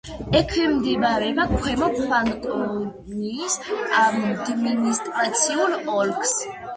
ექვემდებარება ქვემო ფრანკონიის ადმინისტრაციულ ოლქს.